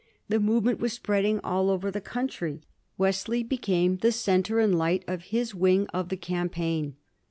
The movement was spreading all over the country. Wes ley became the centre and light of his wing of the cam paign.